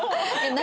何？